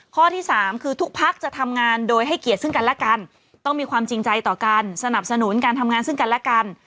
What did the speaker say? ข้อที่สามคือทุกพักจะทำงานโดยให้เกียรติซึ่งกันและกันต้องมีความจริงใจต่อกันสนับสนุนการทำงานซึ่งกันและกัน